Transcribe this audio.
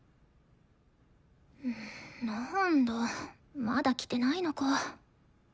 なんだまだ来てないのか。